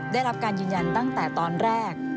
ได้รับการยืนยันตั้งแต่ตอนแรก